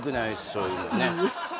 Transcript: そういうのはね